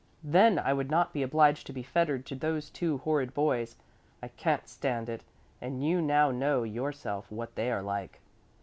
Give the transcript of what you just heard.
Then I would not be obliged to be fettered to those two horrid boys. I can't stand it, and you now know yourself what they are like."